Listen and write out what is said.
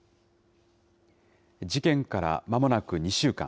事件からまもなく２週間。